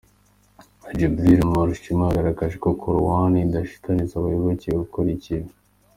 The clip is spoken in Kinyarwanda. Djibril Mbarushimana, yagaragaje ko korowani idashishikariza abayoboke gukora ikibi.